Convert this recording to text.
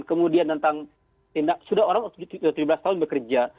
kemudian tentang tindak sudah orang tujuh belas tahun bekerja